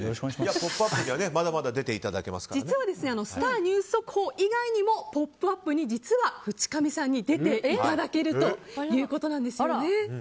実はスター☆ニュース速報以外にも「ポップＵＰ！」に実は淵上さんに出ていただけるということなんですよね。